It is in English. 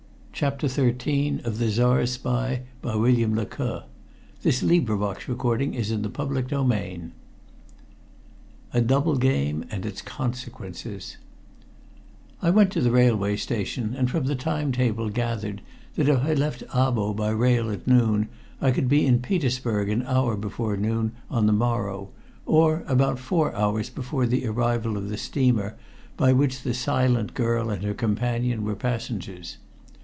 a scrap of dirty paper whereon was written in a Russian hand the name "Martin Woodroffe." CHAPTER XIII A DOUBLE GAME AND ITS CONSEQUENCES I went to the railway station, and from the time table gathered that if I left Abo by rail at noon I could be in Petersburg an hour before noon on the morrow, or about four hours before the arrival of the steamer by which the silent girl and her companion were passengers.